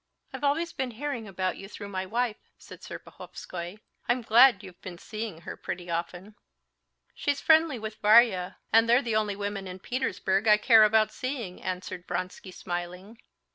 "I've always been hearing about you through my wife," said Serpuhovskoy. "I'm glad you've been seeing her pretty often." "She's friendly with Varya, and they're the only women in Petersburg I care about seeing," answered Vronsky, smiling.